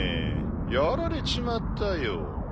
やられちまったよ。